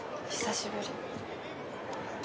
久しぶり